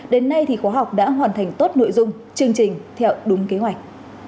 đến nay thì khóa học đã hoàn thành tốt nội dung chương trình theo đúng kế hoạch